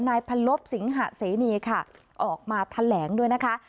นายพันลบสิงหะเสนีค่ะออกมาแถลงด้วยนะคะ